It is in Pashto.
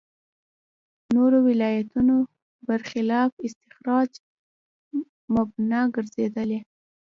نورو روایتونو برخلاف استخراج مبنا ګرځېدلي.